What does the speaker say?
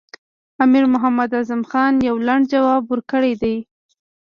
امیر محمد اعظم خان یو لنډ ځواب ورکړی دی.